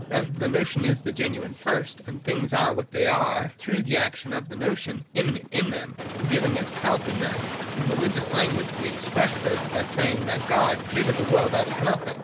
Rather the notion is the genuine first ; and things are what they are through the action of the notion, immanent in them, and revealing itself in them. In re ligious language we express this by saying that God created the world out of nothing.